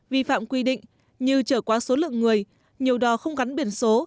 vi phạm quy định như trở quá số lượng người nhiều đò không gắn biển số